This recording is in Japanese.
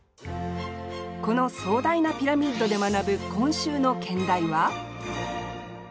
この壮大なピラミッドで学ぶ今週の兼題は？